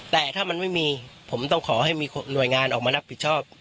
แต่ถ้ามันไม่มีผมต้องขอให้มีหน่วยงานออกมารับผิดชอบ